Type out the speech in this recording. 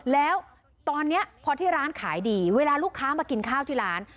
แล้วตอนนี้พอที่ร้านขายดีเวลาลูกค้ามากินข้าวที่ร้าน